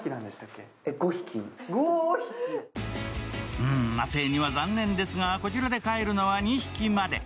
うーん、亜生には残念ですが、こちらで飼えるのは２匹まで。